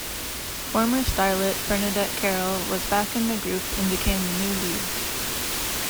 Former Starlet Bernadette Carroll was back in the group and became the new lead.